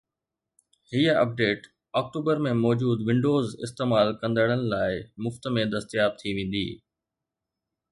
هي update October ۾ موجود Windows استعمال ڪندڙن لاءِ مفت ۾ دستياب ٿي ويندي